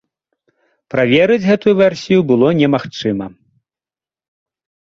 Праверыць гэтую версію было не магчыма.